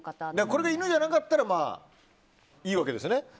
これで犬じゃなかったらいいんですよね？